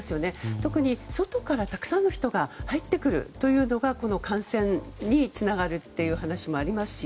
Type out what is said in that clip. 特に外からたくさんの人が入ってくるというのが感染につながるという話もありますし。